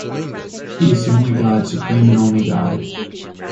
He is the only God, supreme and only God.